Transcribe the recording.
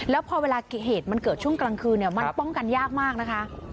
แล้วพอเวลาเหตุมันเกิดช่วงกลางคืนมันป้องกันยากมากนะคะ